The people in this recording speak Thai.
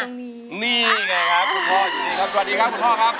อยู่ตรงนี้ไงครับคุณพ่ออยู่ตรงนี้ครับสวัสดีครับคุณพ่อครับ